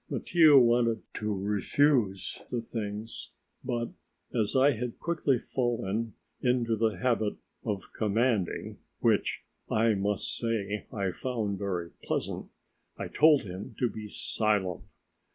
Mattia wanted to refuse the things, but as I had quickly fallen into the habit of commanding, which, I must say I found very pleasant, I told him to be silent.